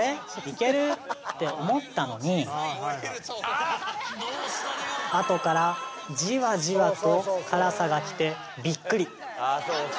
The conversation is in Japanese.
いける！って思ったのにあとからジワジワと辛さがきてびっくり